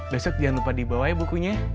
besok jangan lupa dibawa ya bukunya